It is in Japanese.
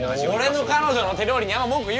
俺の彼女の手料理にあんま文句言うなよ！